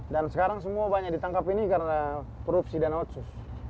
dan sekarang semua banyak ditangkap ini karena korupsi dana otsus